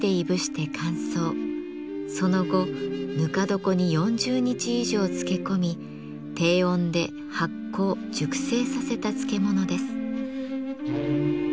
その後ぬか床に４０日以上漬け込み低温で発酵・熟成させた漬物です。